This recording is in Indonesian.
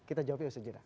kita jawabin segera